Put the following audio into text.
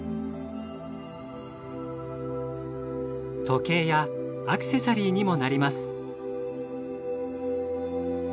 時計やアクセサリーにもなります。